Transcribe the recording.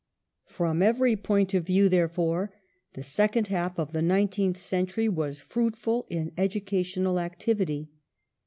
From every point of view, therefore, the second half of the nineteenth century was fruitful in educational activity.